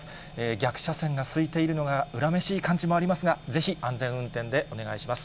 逆車線がすいているのが恨めしい感じもありますが、ぜひ安全運転でお願いします。